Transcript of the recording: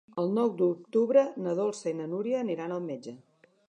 El nou d'octubre na Dolça i na Núria aniran al metge.